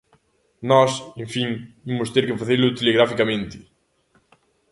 Nós, en fin, imos ter que facelo telegraficamente.